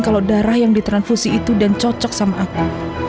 kalau darah yang ditransfusi itu dan cocok sama aku